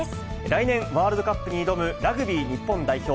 来年、ワールドカップに挑むラグビー日本代表。